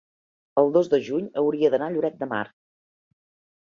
el dos de juny hauria d'anar a Lloret de Mar.